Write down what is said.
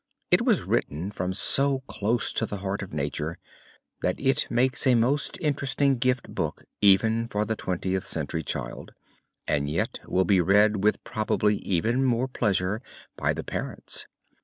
It was written from so close to the heart of Nature, that it makes a most interesting gift book even for the Twentieth Century child, and yet will be read with probably even more pleasure by the parents.